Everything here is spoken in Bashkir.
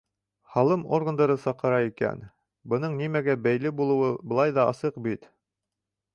Һалым органдары саҡыра икән, бының нимәгә бәйле булыуы былай ҙа асыҡ бит.